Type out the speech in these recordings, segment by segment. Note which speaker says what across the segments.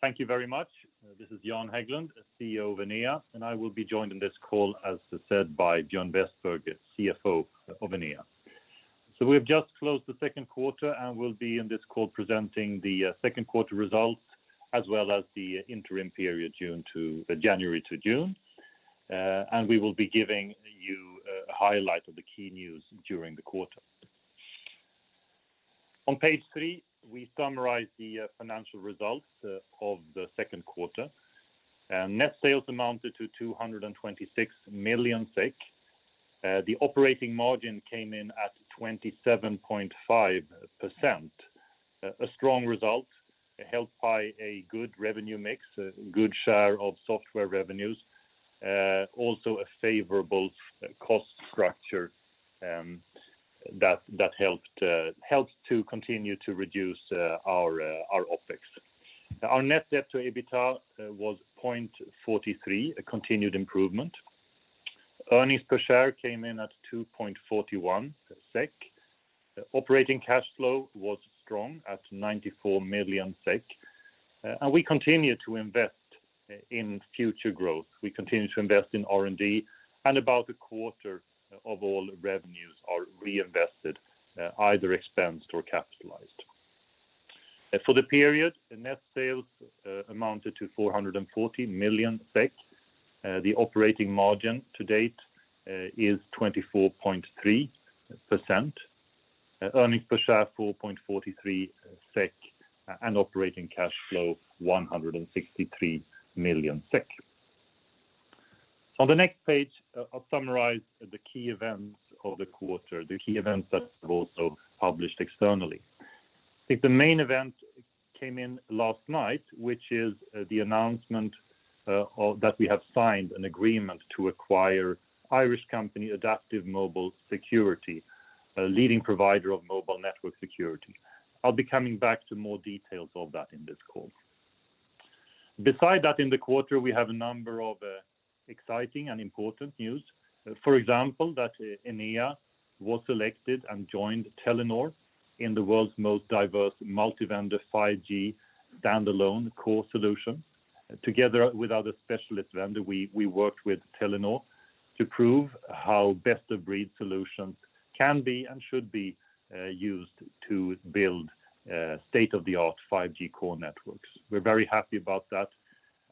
Speaker 1: Thank you very much. This is Jan Häglund, Chief Executive Officer of Enea, and I will be joined in this call, as said, by Björn Westberg, Chief Financial Officer of Enea. We have just closed the Q2, and we will be in this call presenting the Q2 results, as well as the interim period January to June. We will be giving you a highlight of the key news during the quarter. On page 3, we summarize the financial results of the Q2. Net sales amounted to 226 million SEK. The operating margin came in at 27.5%. A strong result helped by a good revenue mix, a good share of software revenues. Also a favorable cost structure that helped to continue to reduce our OpEx. Our net debt to EBITDA was 0.43, a continued improvement. Earnings per share came in at 2.41 SEK. Operating cash flow was strong at 94 million SEK. We continue to invest in future growth. We continue to invest in R&D, and about a quarter of all revenues are reinvested, either expensed or capitalized. For the period, the net sales amounted to 440 million SEK. The operating margin to date is 24.3%. Earnings per share 4.43 SEK. Operating cash flow 163 million SEK. On the next page, I'll summarize the key events of the quarter, the key events that we've also published externally. I think the main event came in last night, which is the announcement that we have signed an agreement to acquire Irish company AdaptiveMobile Security, a leading provider of mobile network security. I'll be coming back to more details of that in this call. Beside that, in the quarter, we have a number of exciting and important news. For example, that Enea was selected and joined Telenor in the world's most diverse multi-vendor 5G standalone core solution. Together with other specialist vendor, we worked with Telenor to prove how best-of-breed solutions can be and should be used to build state-of-the-art 5G core networks. We're very happy about that,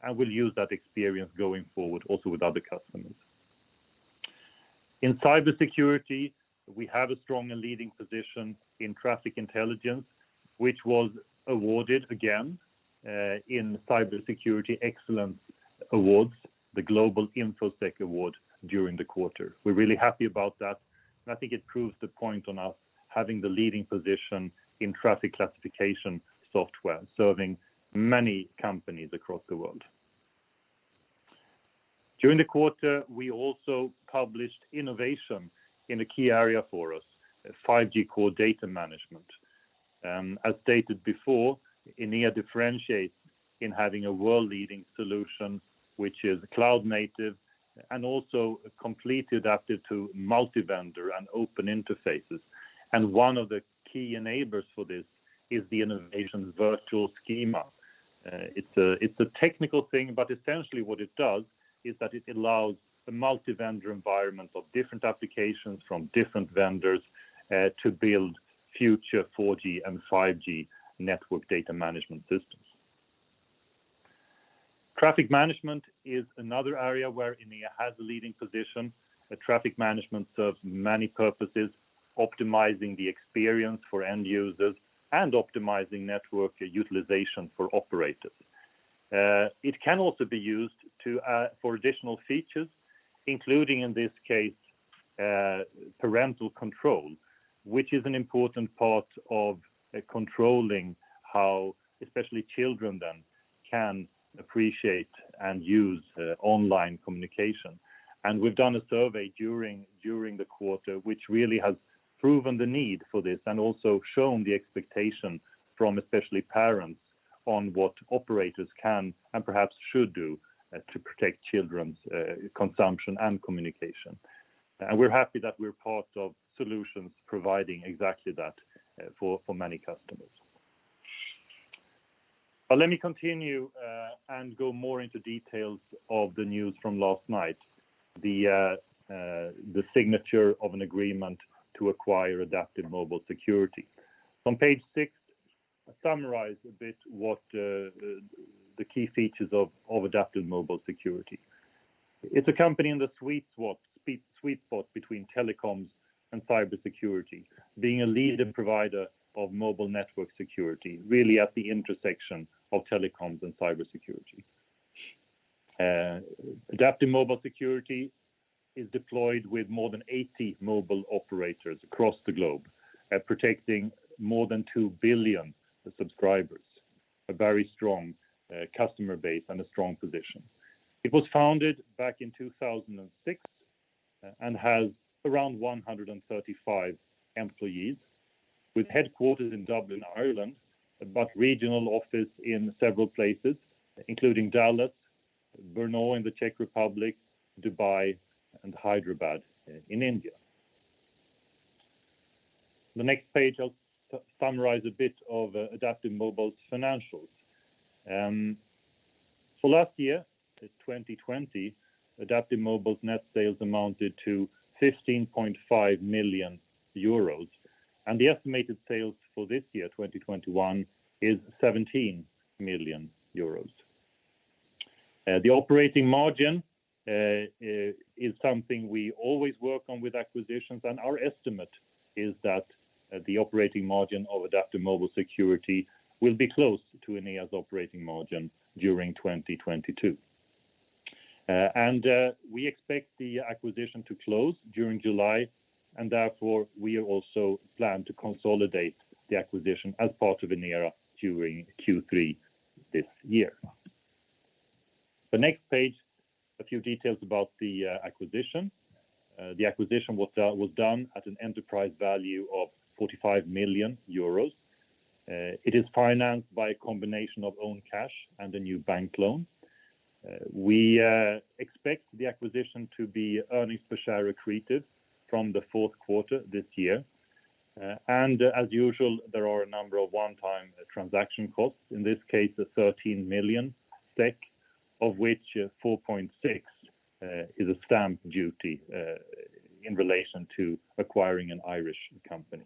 Speaker 1: and we'll use that experience going forward also with other customers. In cybersecurity, we have a strong and leading position in traffic intelligence, which was awarded again in Cybersecurity Excellence Awards, the Global InfoSec award during the quarter. We're really happy about that, and I think it proves the point on us having the leading position in traffic classification software, serving many companies across the world. During the quarter, we also published innovation in a key area for us, 5G core data management. As stated before, Enea differentiates in having a world-leading solution, which is cloud-native, and also completely adapted to multi-vendor and open interfaces. One of the key enablers for this is the innovation Virtual Schema. It's a technical thing, but essentially what it does is that it allows a multi-vendor environment of different applications from different vendors to build future 4G and 5G network data management systems. Traffic management is another area where Enea has a leading position. The traffic management serves many purposes, optimizing the experience for end users and optimizing network utilization for operators. It can also be used for additional features, including, in this case, parental control, which is an important part of controlling how especially children then can appreciate and use online communication. We've done a survey during the quarter, which really has proven the need for this and also shown the expectation from especially parents on what operators can and perhaps should do to protect children's consumption and communication. We're happy that we're part of solutions providing exactly that for many customers. Let me continue and go more into details of the news from last night, the signature of an agreement to acquire AdaptiveMobile Security. On page 6, I summarize a bit what the key features of AdaptiveMobile Security. It's a company in the sweet spot between telecoms and cybersecurity, being a leading provider of mobile network security, really at the intersection of telecoms and cybersecurity. AdaptiveMobile Security is deployed with more than 80 mobile operators across the globe, protecting more than 2 billion subscribers, a very strong customer base and a strong position. It was founded back in 2006 and has around 135 employees with headquarters in Dublin, Ireland, but regional office in several places, including Dallas, Brno in the Czech Republic, Dubai, and Hyderabad in India. The next page, I'll summarize a bit of Adaptive Mobile's financials. Last year, 2020, Adaptive Mobile's net sales amounted to 15.5 million euros, and the estimated sales for this year, 2021, is 17 million euros. The operating margin is something we always work on with acquisitions, and our estimate is that the operating margin of AdaptiveMobile Security will be close to Enea's operating margin during 2022. We expect the acquisition to close during July, and therefore, we also plan to consolidate the acquisition as part of Enea during Q3 this year. The next page, a few details about the acquisition. The acquisition was done at an enterprise value of 45 million euros. It is financed by a combination of own cash and a new bank loan. We expect the acquisition to be earnings per share accretive from the Q4 this year. As usual, there are a number of one-time transaction costs. In this case, 13 million SEK, of which 4.6 is a stamp duty in relation to acquiring an Irish company.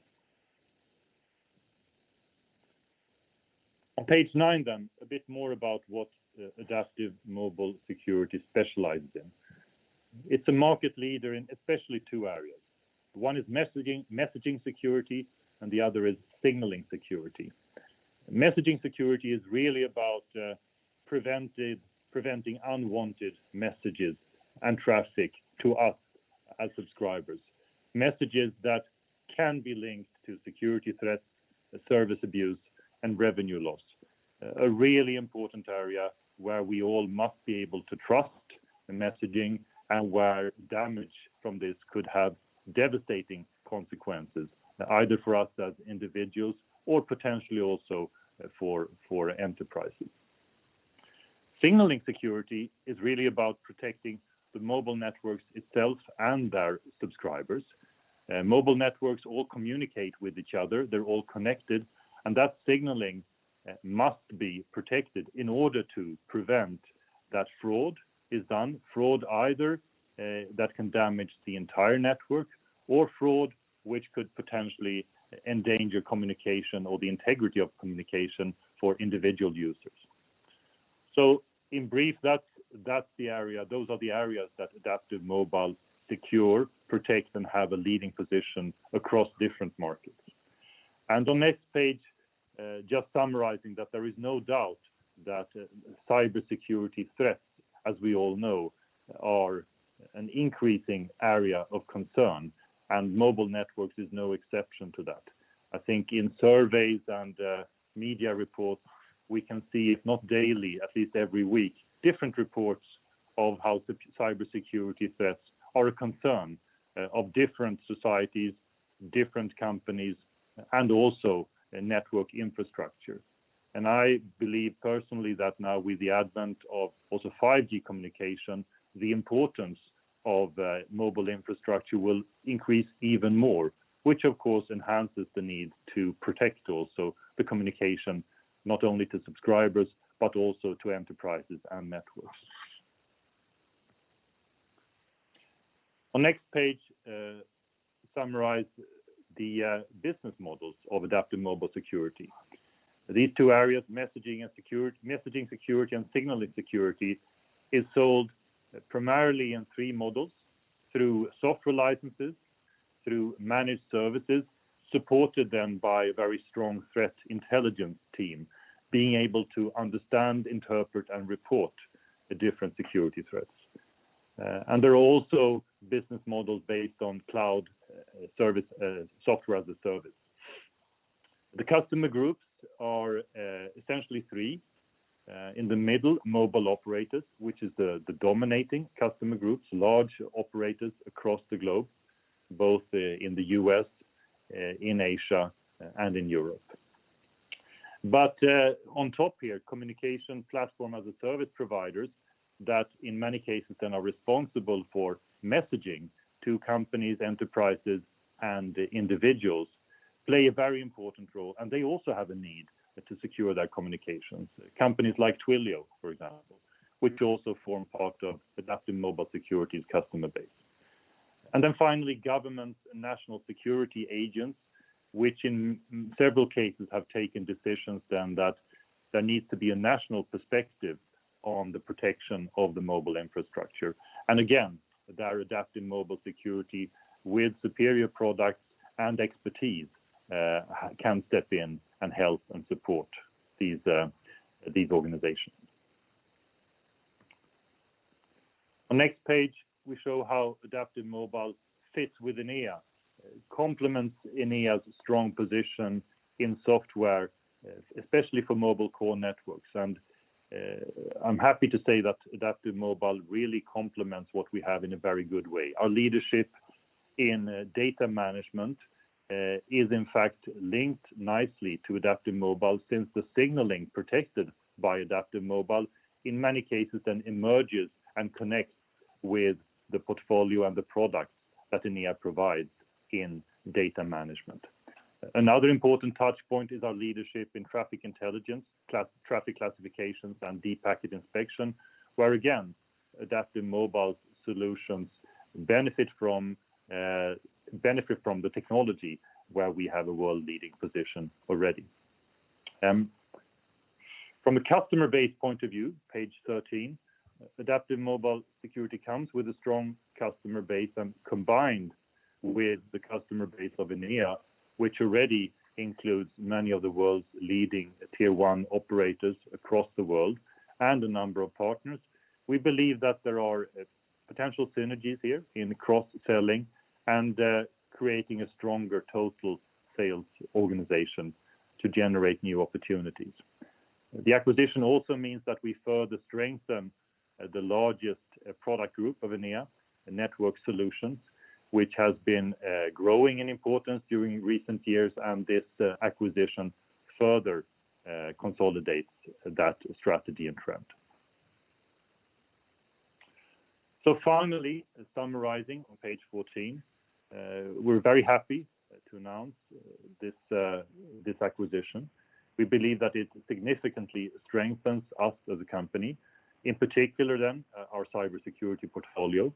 Speaker 1: On page 9 then, a bit more about what AdaptiveMobile Security specializes in. It's a market leader in especially two areas. One is messaging security, and the other is signaling security. Messaging security is really about preventing unwanted messages and traffic to us as subscribers. Messages that can be linked to security threats, service abuse, and revenue loss. A really important area where we all must be able to trust the messaging and where damage from this could have devastating consequences, either for us as individuals or potentially also for enterprises. Signaling security is really about protecting the mobile networks itself and their subscribers. Mobile networks all communicate with each other. They're all connected. That signaling must be protected in order to prevent that fraud is done. Fraud either that can damage the entire network or fraud which could potentially endanger communication or the integrity of communication for individual users. In brief, those are the areas that Adaptive Mobile protect and have a leading position across different markets. On next page, just summarizing that there is no doubt that cybersecurity threats, as we all know, are an increasing area of concern, and mobile networks is no exception to that. I think in surveys and media reports, we can see, if not daily, at least every week, different reports of how cybersecurity threats are a concern of different societies, different companies, and also network infrastructure. I believe personally that now with the advent of also 5G communication, the importance of mobile infrastructure will increase even more. Which of course enhances the need to protect also the communication, not only to subscribers, but also to enterprises and networks. On next page, summarize the business models of AdaptiveMobile Security. These two areas, messaging security and signaling security, is sold primarily in three models. Through software licenses, through managed services, supported then by a very strong threat intelligence team being able to understand, interpret, and report the different security threats. There are also business models based on software as a service. The customer groups are essentially three. In the middle, mobile operators, which is the dominating customer groups, large operators across the globe, both in the U.S., in Asia, and in Europe. On top here, communication platform as a service providers that in many cases then are responsible for messaging to companies, enterprises, and individuals play a very important role, and they also have a need to secure their communications. Companies like Twilio, for example, which also form part of AdaptiveMobile Security's customer base. Finally, government and national security agents, which in several cases have taken decisions then that there needs to be a national perspective on the protection of the mobile infrastructure. Again, there AdaptiveMobile Security with superior products and expertise can step in and help and support these organizations. On next page, we show how AdaptiveMobile fits with Enea. Complements Enea's strong position in software, especially for mobile core networks. I'm happy to say that AdaptiveMobile really complements what we have in a very good way. Our leadership in data management is in fact linked nicely to AdaptiveMobile since the signaling protected by AdaptiveMobile in many cases then emerges and connects with the portfolio and the product that Enea provides in data management. Another important touch point is our leadership in traffic intelligence, traffic classifications, and deep packet inspection, where again, AdaptiveMobile's solutions benefit from the technology where we have a world leading position already. From a customer base point of view, page 13, AdaptiveMobile Security comes with a strong customer base and combined with the customer base of Enea, which already includes many of the world's leading Tier 1 operators across the world and a number of partners. We believe that there are potential synergies here in cross-selling and creating a stronger total sales organization to generate new opportunities. The acquisition also means that we further strengthen the largest product group of Enea, Network Solutions, which has been growing in importance during recent years, and this acquisition further consolidates that strategy and trend. Finally, summarizing on page 14, we're very happy to announce this acquisition. We believe that it significantly strengthens us as a company, in particular then, our cybersecurity portfolio.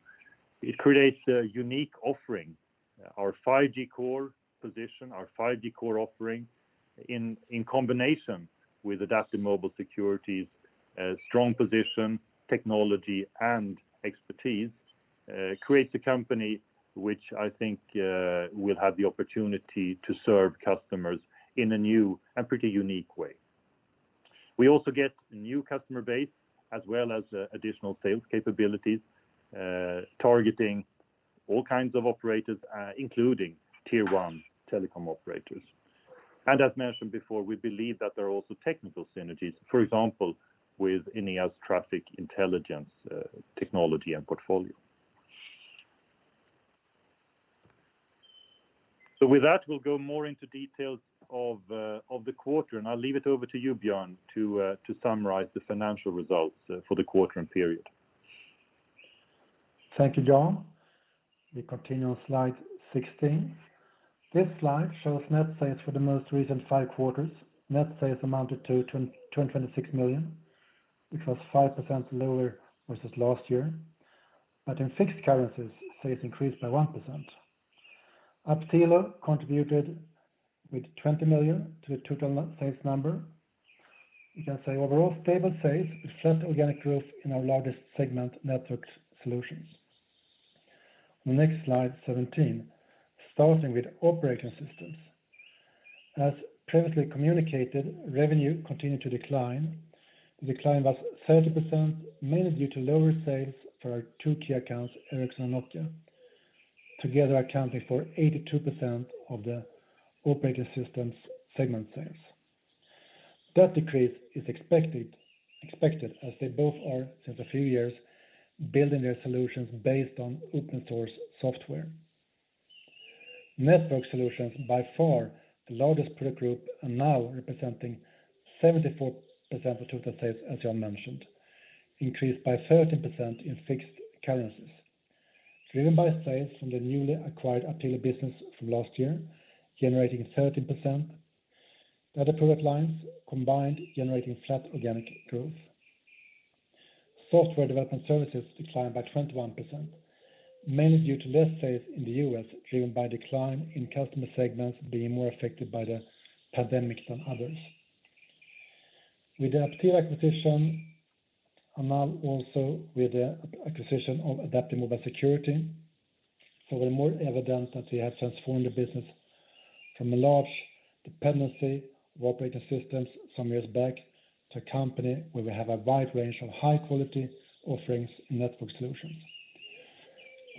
Speaker 1: It creates a unique offering. Our 5G Core position, our 5G Core offering in combination with AdaptiveMobile Security's strong position, technology, and expertise, creates a company which I think will have the opportunity to serve customers in a new and pretty unique way. We also get new customer base as well as additional sales capabilities, targeting all kinds of operators, including Tier 1 telecom operators. As mentioned before, we believe that there are also technical synergies, for example, with Enea's traffic intelligence technology and portfolio. With that, we'll go more into details of the quarter, and I'll leave it over to you, Björn, to summarize the financial results for the quarter and period.
Speaker 2: Thank you, Björn. We continue on slide 16. This slide shows net sales for the most recent five quarters. Net sales amounted to 226 million, which was 5% lower versus last year. In fixed currencies, sales increased by 1%. Aptilo contributed with 20 million to the total sales number. You can say overall stable sales with flat organic growth in our largest segment Network Solutions. The next slide, 17, starting with operating systems. As previously communicated, revenue continued to decline. The decline was 30%, mainly due to lower sales for our two key accounts, Ericsson and Nokia, together accounting for 82% of the operating systems segment sales. That decrease is expected as they both are, since a few years, building their solutions based on open source software. Network Solutions, by far the largest product group and now representing 74% of total sales, as Björn mentioned, increased by 13% in fixed currencies. Driven by sales from the newly acquired Aptilo business from last year, generating 13%. The other product lines combined generating flat organic growth. Software development services declined by 21%, mainly due to less sales in the U.S., driven by decline in customer segments being more affected by the pandemic than others. With the Aptilo acquisition, and now also with the acquisition of AdaptiveMobile Security, so we're more evident that we have transformed the business from a large dependency of operating systems some years back, to a company where we have a wide range of high quality offerings in network solutions.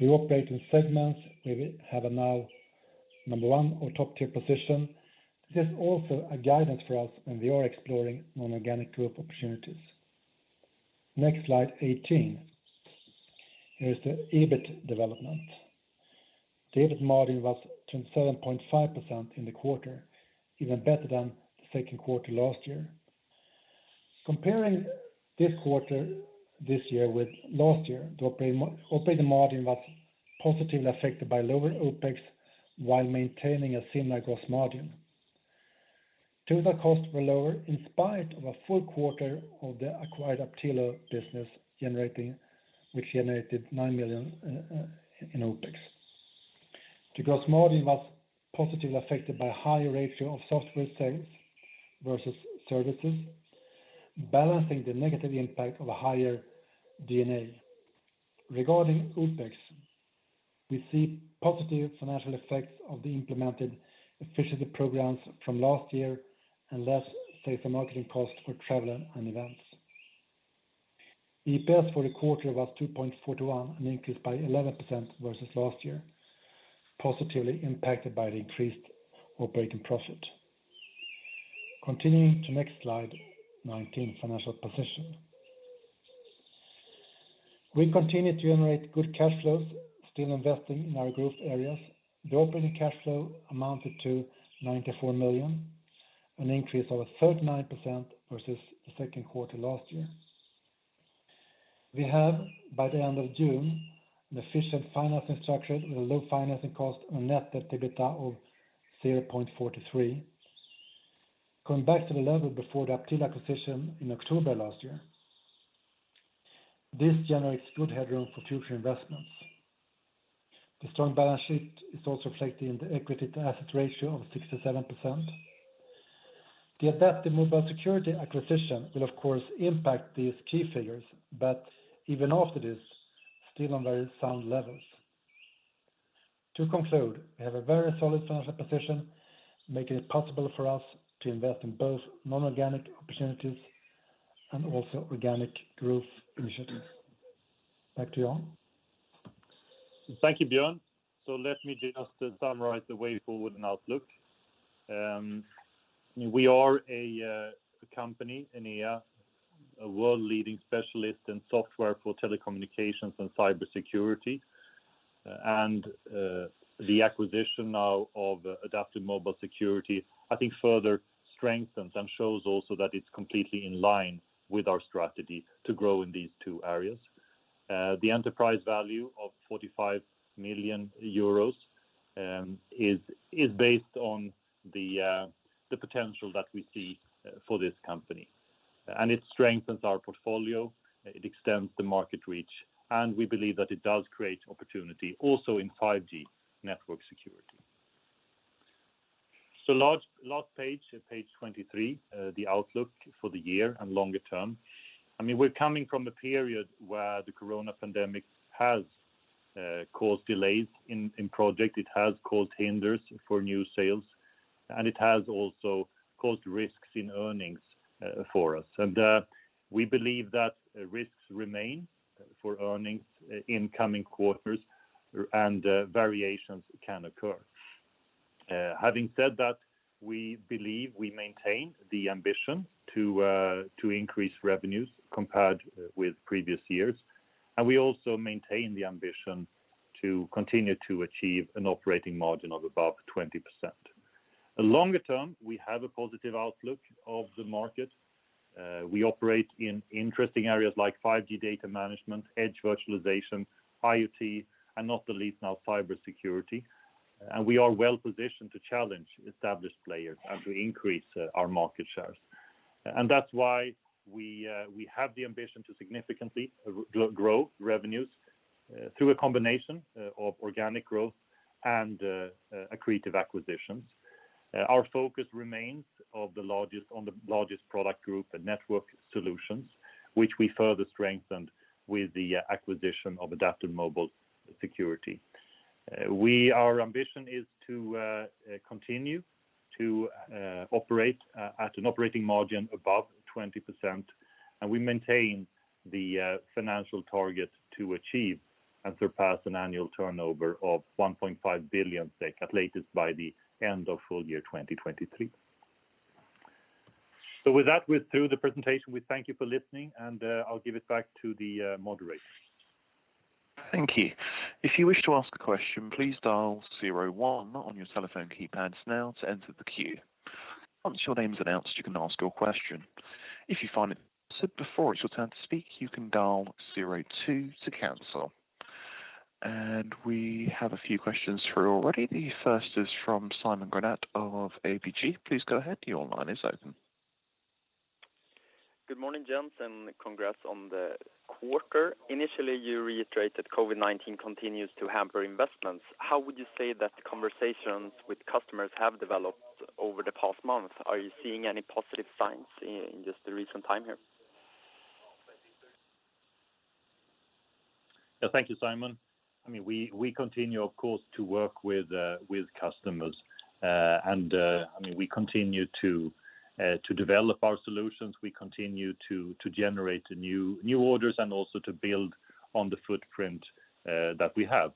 Speaker 2: We operate in segments where we have a number one or top tier position. This is also a guidance for us when we are exploring non-organic growth opportunities. Next slide, 18. Here is the EBIT development. EBIT margin was 27.5% in the quarter, even better than the Q2 last year. Comparing this quarter this year with last year, the operating margin was positively affected by lower OpEx while maintaining a similar gross margin. [TUVRA] costs were lower in spite of a full quarter of the acquired Aptilo business which generated 9 million in OpEx. The gross margin was positively affected by a higher ratio of software sales versus services, balancing the negative impact of a higher D&A. Regarding OpEx, we see positive financial effects of the implemented efficiency programs from last year and less sales and marketing costs for travel and events. EPS for the quarter was 2.41, an increase by 11% versus last year, positively impacted by the increased operating profit. Continuing to next slide, 19, financial position. We continue to generate good cash flows, still investing in our growth areas. The operating cash flow amounted to 94 million. An increase of 39% versus the Q2 last year. We have, by the end of June, an efficient financing structure with a low financing cost, a net debt to EBITDA of 0.43, going back to the level before the Aptilo acquisition in October last year. This generates good headroom for future investments. The strong balance sheet is also reflected in the equity to asset ratio of 67%. The AdaptiveMobile Security acquisition will, of course, impact these key figures, but even after this, still on very sound levels. To conclude, we have a very solid financial position, making it possible for us to invest in both non-organic opportunities and also organic growth initiatives. Back to you, Jan.
Speaker 1: Thank you, Björn. Let me just summarize the way forward and outlook. We are a company, Enea, a world-leading specialist in software for telecommunications and cybersecurity. The acquisition now of AdaptiveMobile Security, I think further strengthens and shows also that it's completely in line with our strategy to grow in these two areas. The enterprise value of 45 million euros is based on the potential that we see for this company. It strengthens our portfolio, it extends the market reach, and we believe that it does create opportunity also in 5G network security. Last page 23, the outlook for the year and longer term. We're coming from a period where the coronavirus pandemic has caused delays in projects. It has caused hinders for new sales, and it has also caused risks in earnings for us. We believe that risks remain for earnings in coming quarters and variations can occur. Having said that, we believe we maintain the ambition to increase revenues compared with previous years. We also maintain the ambition to continue to achieve an operating margin of above 20%. Longer term, we have a positive outlook of the market. We operate in interesting areas like 5G data management, edge virtualization, IoT, and not the least now, cybersecurity. We are well-positioned to challenge established players as we increase our market shares. That's why we have the ambition to significantly grow revenues through a combination of organic growth and accretive acquisitions. Our focus remains on the largest product group, the Network Solutions, which we further strengthened with the acquisition of AdaptiveMobile Security. Our ambition is to continue to operate at an operating margin above 20%, and we maintain the financial target to achieve and surpass an annual turnover of 1.5 billion SEK at latest by the end of full year 2023. With that, we're through the presentation. We thank you for listening, and I'll give it back to the moderator.
Speaker 3: Thank you. If you wish to ask a question, please dial zero-one on your telephone keypads now to enter the queue. Once your name's announced, you can ask your question. If you find that someone said before it's your turn to speak, you can dial zero-two to cancel. We have a few questions through already. The first is from Simon Granath of ABG. Please go ahead. Your line is open.
Speaker 4: Good morning, gents. Congrats on the quarter. Initially, you reiterated Covid-19 continues to hamper investments. How would you say that the conversations with customers have developed over the past month? Are you seeing any positive signs in just the recent time here?
Speaker 1: Yeah. Thank you, Simon. We continue, of course, to work with customers. We continue to develop our solutions. We continue to generate new orders and also to build on the footprint that we have.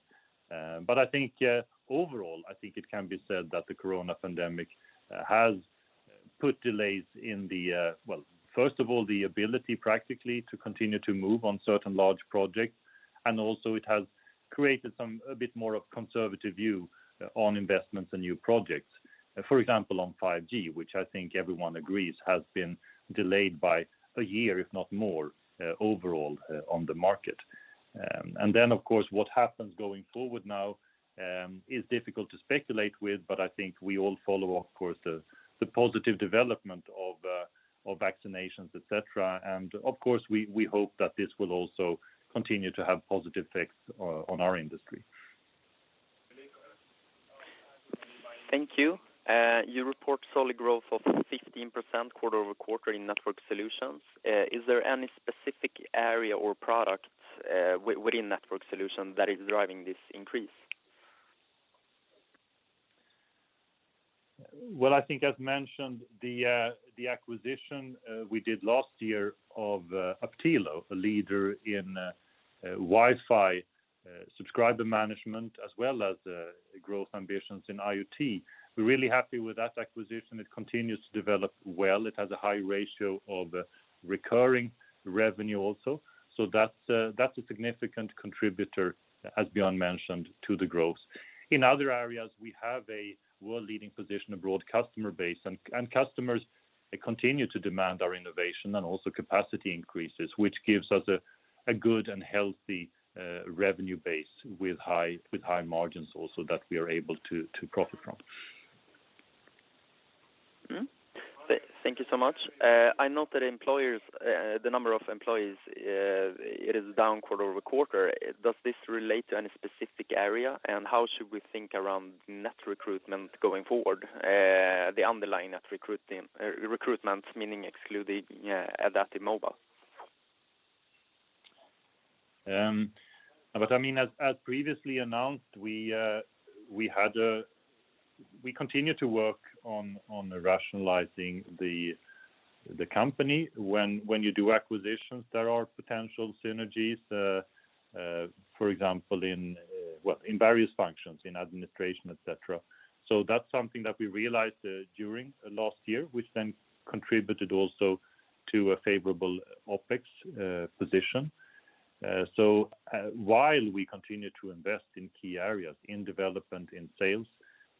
Speaker 1: I think overall, I think it can be said that the coronavirus pandemic has put delays in the Well, first of all, the ability practically to continue to move on certain large projects, and also it has created a bit more of conservative view on investments and new projects. For example, on 5G, which I think everyone agrees has been delayed by a year, if not more, overall on the market. Of course, what happens going forward now is difficult to speculate with, but I think we all follow, of course, the positive development of vaccinations, et cetera. Of course, we hope that this will also continue to have positive effects on our industry.
Speaker 4: Thank you. You report solid growth of 15% quarter-over-quarter in Network Solutions. Is there any specific area or product within Network Solutions that is driving this increase?
Speaker 1: I think as mentioned, the acquisition we did last year of Aptilo, a leader in WiFi subscriber management, as well as growth ambitions in IoT. We're really happy with that acquisition. It continues to develop well. It has a high ratio of recurring revenue also. That's a significant contributor, as Björn mentioned, to the growth. In other areas, we have a world-leading position, a broad customer base, and customers, they continue to demand our innovation and also capacity increases, which gives us a good and healthy revenue base with high margins also that we are able to profit from.
Speaker 4: Thank you so much. I note that the number of employees is down quarter-over-quarter. Does this relate to any specific area, and how should we think around net recruitment going forward? The underlying net recruitment, meaning excluding Adaptive Mobile.
Speaker 1: As previously announced, we continue to work on rationalizing the company. When you do acquisitions, there are potential synergies, for example, in various functions, in administration, et cetera. That's something that we realized during last year, which then contributed also to a favorable OpEx position. While we continue to invest in key areas, in development, in sales,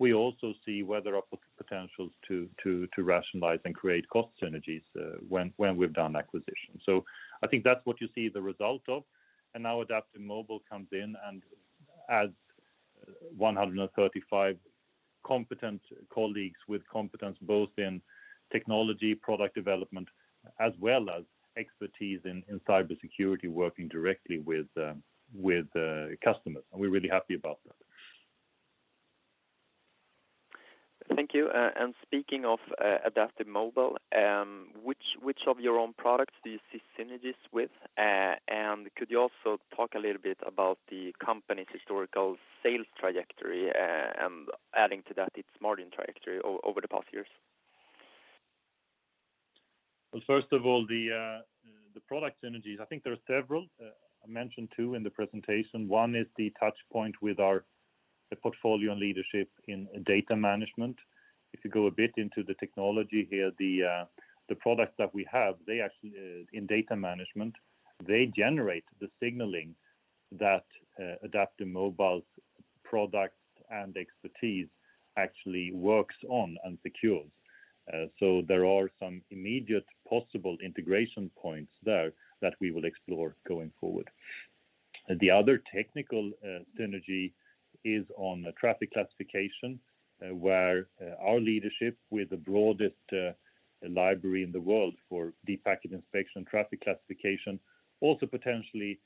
Speaker 1: we also see where there are potentials to rationalize and create cost synergies when we've done acquisitions. I think that's what you see the result of. Now AdaptiveMobile comes in and adds 135 competent colleagues with competence both in technology, product development, as well as expertise in cybersecurity, working directly with customers. We're really happy about that.
Speaker 4: Thank you. Speaking of AdaptiveMobile, which of your own products do you see synergies with? Could you also talk a little bit about the company's historical sales trajectory, adding to that its margin trajectory over the past years?
Speaker 1: Well, first of all, the product synergies, I think there are several. I mentioned two in the presentation. One is the touchpoint with our portfolio and leadership in data management. If you go a bit into the technology here, the products that we have in data management, they generate the signaling that AdaptiveMobile's products and expertise actually works on and secures. There are some immediate possible integration points there that we will explore going forward. The other technical synergy is on traffic classification, where our leadership with the broadest library in the world for deep packet inspection, traffic classification, also potentially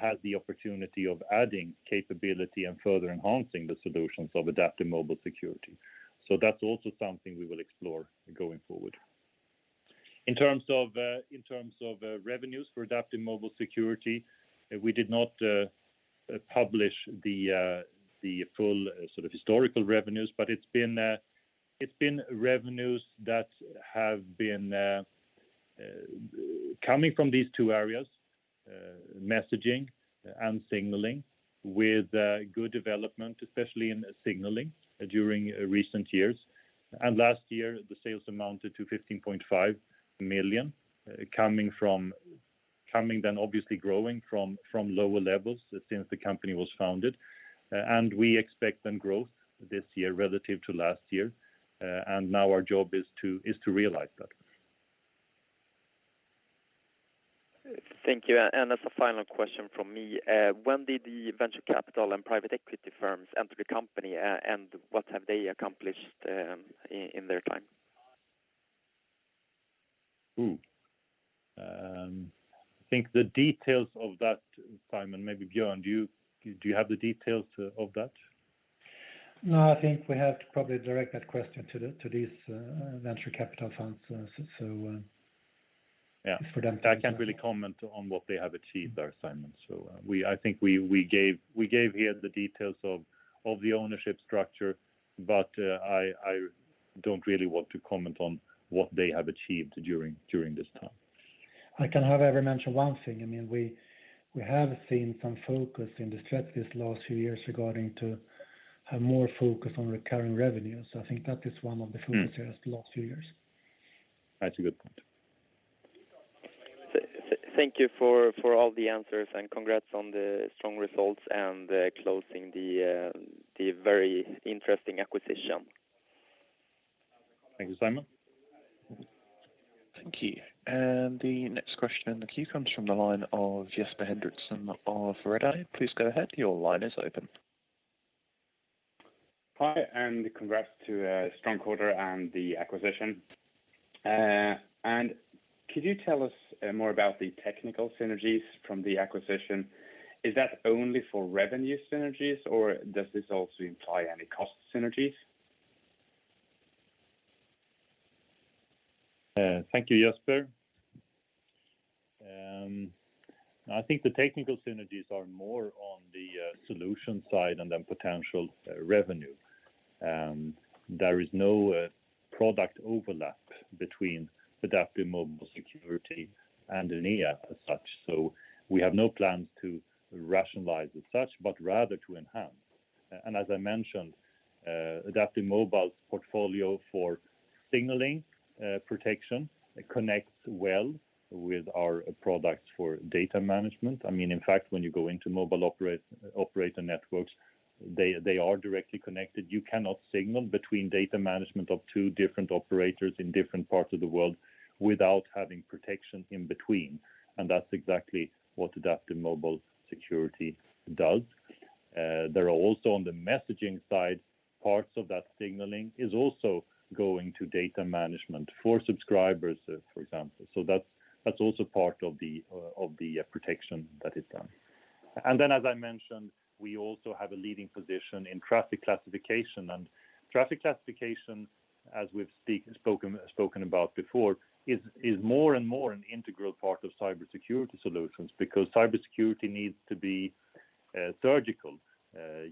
Speaker 1: has the opportunity of adding capability and further enhancing the solutions of AdaptiveMobile Security. That's also something we will explore going forward. In terms of revenues for AdaptiveMobile Security, we did not publish the full historical revenues, but it's been revenues that have been coming from these two areas, messaging and signaling, with good development, especially in signaling during recent years. Last year, the sales amounted to 15.5 million, coming then obviously growing from lower levels since the company was founded. We expect then growth this year relative to last year. Now our job is to realize that.
Speaker 4: Thank you. As a final question from me, when did the venture capital and private equity firms enter the company, and what have they accomplished in their time?
Speaker 1: I think the details of that, Simon, maybe Björn, do you have the details of that?
Speaker 2: No, I think we have to probably direct that question to these venture capital funds.
Speaker 1: Yeah. I can't really comment on what they have achieved there, Simon. I think we gave here the details of the ownership structure, but I don't really want to comment on what they have achieved during this time.
Speaker 2: I can however mention one thing. We have seen some focus in the strategies last few years regarding to have more focus on recurring revenues. I think that is one of the focuses last few years.
Speaker 1: That's a good point.
Speaker 4: Thank you for all the answers and congrats on the strong results and closing the very interesting acquisition.
Speaker 1: Thank you, Simon.
Speaker 3: Thank you. The next question in the queue comes from the line of Jesper Henriksen of Redeye. Please go ahead. Your line is open.
Speaker 5: Hi. Congrats to a strong quarter and the acquisition. Could you tell us more about the technical synergies from the acquisition? Is that only for revenue synergies, or does this also imply any cost synergies?
Speaker 1: Thank you, Jesper. I think the technical synergies are more on the solution side and then potential revenue. There is no product overlap between AdaptiveMobile Security and Enea as such. We have no plans to rationalize as such, but rather to enhance. As I mentioned, AdaptiveMobile's portfolio for signaling protection connects well with our products for data management. In fact, when you go into mobile operator networks, they are directly connected. You cannot signal between data management of two different operators in different parts of the world without having protection in between, and that's exactly what AdaptiveMobile Security does. There are also, on the messaging side, parts of that signaling is also going to data management for subscribers, for example. That's also part of the protection that is done. Then, as I mentioned, we also have a leading position in traffic classification. Traffic classification, as we've spoken about before, is more and more an integral part of cybersecurity solutions because cybersecurity needs to be surgical.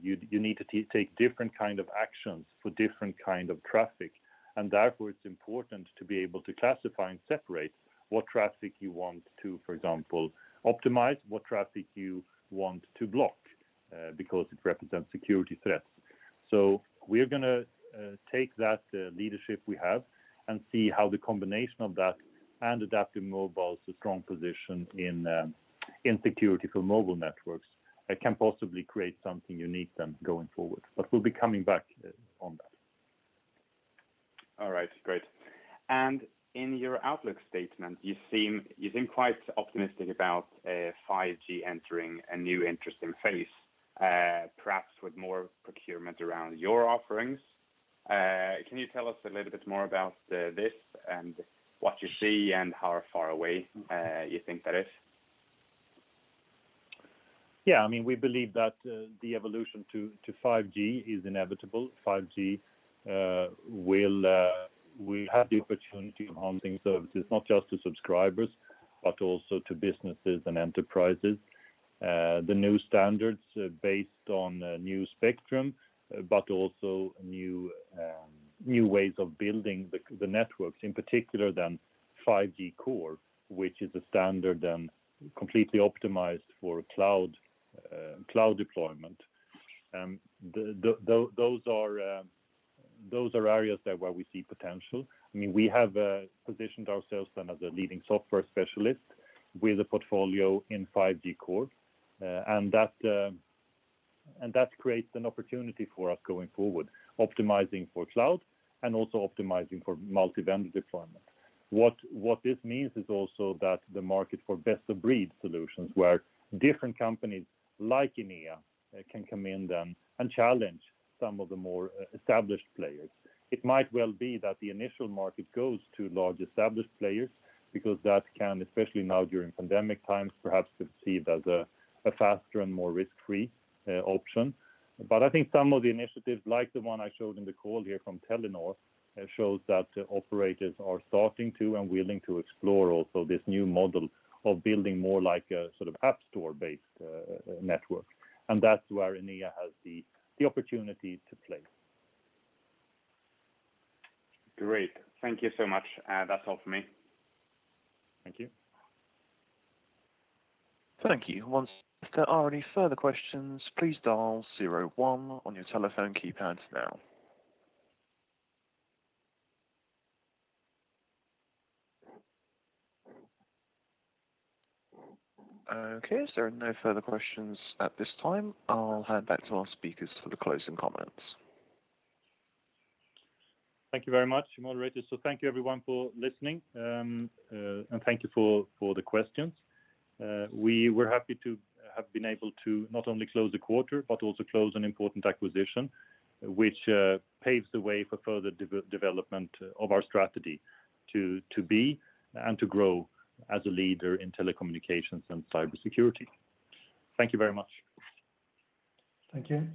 Speaker 1: You need to take different kind of actions for different kind of traffic, and therefore, it's important to be able to classify and separate what traffic you want to, for example, optimize, what traffic you want to block because it represents security threats. We're going to take that leadership we have and see how the combination of that and AdaptiveMobile's strong position in security for mobile networks can possibly create something unique then going forward. We'll be coming back on that.
Speaker 5: All right. Great. In your outlook statement, you seem quite optimistic about 5G entering a new interesting phase, perhaps with more procurement around your offerings. Can you tell us a little bit more about this and what you see and how far away you think that is?
Speaker 1: We believe that the evolution to 5G is inevitable. 5G will have the opportunity of enhancing services not just to subscribers, but also to businesses and enterprises. The new standards based on new spectrum, but also new ways of building the networks, in particular, 5G Core, which is a standard and completely optimized for cloud deployment. Those are areas where we see potential. We have positioned ourselves as a leading software specialist with a portfolio in 5G Core, and that creates an opportunity for us going forward, optimizing for cloud and also optimizing for multi-vendor deployment. What this means is also that the market for best-of-breed solutions, where different companies like Enea can come in and challenge some of the more established players. It might well be that the initial market goes to large established players because that can, especially now during pandemic times, perhaps be seen as a faster and more risk-free option. I think some of the initiatives, like the one I showed in the call here from Telenor, shows that operators are starting to and willing to explore also this new model of building more like a sort of app store-based network, and that's where Enea has the opportunity to play.
Speaker 5: Great. Thank you so much. That's all from me.
Speaker 1: Thank you.
Speaker 3: Thank you. Okay. As there are no further questions at this time, I'll hand back to our speakers for the closing comments.
Speaker 1: Thank you very much, moderator. Thank you, everyone, for listening, and thank you for the questions. We were happy to have been able to not only close the quarter but also close an important acquisition, which paves the way for further development of our strategy to be and to grow as a leader in telecommunications and cybersecurity. Thank you very much.
Speaker 3: Thank you.